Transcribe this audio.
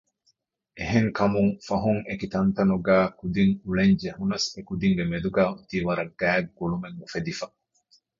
އެެހެންކަމުން ފަހުން އެކި ތަންތަނުގައި ކުދިން އުޅެން ޖެހުނަސް އެކުދިންގެ މެދުގައި އޮތީ ވަރަށް ގާތް ގުޅުމެއް އުފެދިފަ